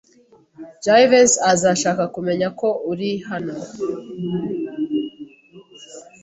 Jivency azashaka kumenya ko uri hano.